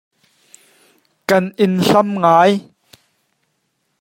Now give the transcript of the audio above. Kan in hlam lai.